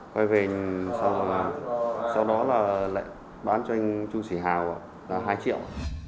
quay về sau đó là lại bán cho anh trung sĩ hảo là hai triệu